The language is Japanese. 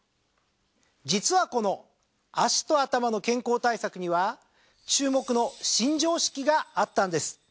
実はこの脚と頭の健康対策には注目の新常識があったんです。